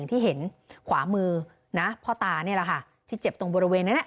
ที่เห็นขวามือนะพ่อตานี่แหละค่ะที่เจ็บตรงบริเวณนั้น